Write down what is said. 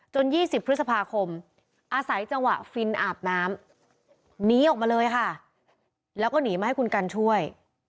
๒๐พฤษภาคมอาศัยจังหวะฟินอาบน้ำหนีออกมาเลยค่ะแล้วก็หนีมาให้คุณกันช่วย